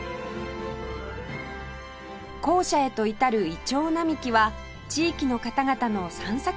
校舎へと至るイチョウ並木は地域の方々の散策